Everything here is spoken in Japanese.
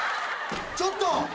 ちょっと！